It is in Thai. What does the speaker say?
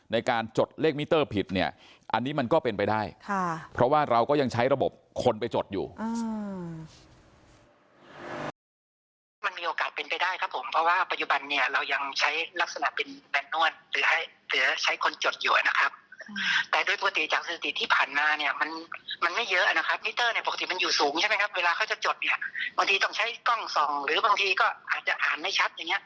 บางทีต้องใช้กล้องส่องหรือบางทีก็อ่านไม่ชัด